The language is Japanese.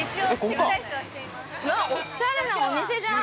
◆おしゃれなお店じゃん。